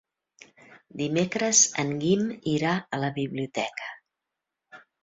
Dimecres en Guim irà a la biblioteca.